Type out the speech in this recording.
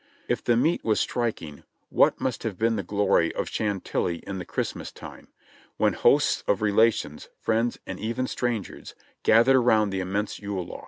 If the meet was striking, what must have been the glory of Chantilly in the Christmas time, when hosts of relations, friends and even strangers gathered around the immense yule log.